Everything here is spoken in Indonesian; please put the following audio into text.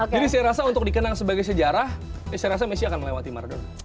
jadi saya rasa untuk dikenang sebagai sejarah saya rasa messi akan melewati maradona